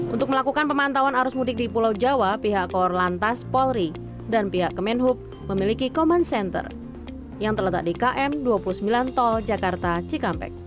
untuk melakukan pemantauan arus mudik di pulau jawa pihak korlantas polri dan pihak kemenhub memiliki command center yang terletak di km dua puluh sembilan tol jakarta cikampek